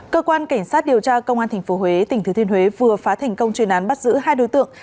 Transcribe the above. cơ quan cảnh sát điều tra công an tp huế tỉnh thứ thiên huế vừa phá thành công chuyên án bắt giữ hai đối tượng